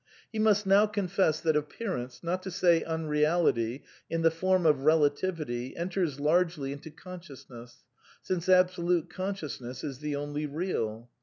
He must now confess that appearance, not to say unreal ity, in the form of relativity, enters largely into conscious ness ; since Absolute Consciousness is the only Beal.